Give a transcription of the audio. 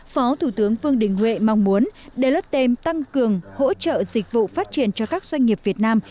phó thủ tướng vương đình huệ mong muốn delottem tăng cường hỗ trợ dịch vụ phát triển cho các doanh nghiệp việt nam